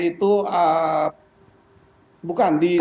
itu bukan di sana